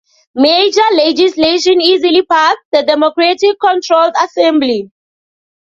Merger legislation easily passed the Democratic-controlled Assembly.